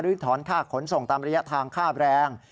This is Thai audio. ถอนค่าขนส่งตามระยะทางค่าแรง